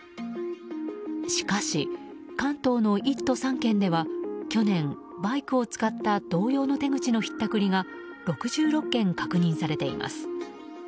しかし、関東の１都３県では去年、バイクを使った同様の手口のひったくりが６６件確認されています。